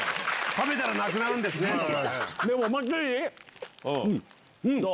「食べたらなくなるんですね」とか。